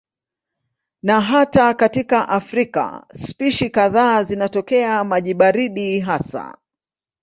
Na hata katika Afrika spishi kadhaa zinatokea maji baridi hasa.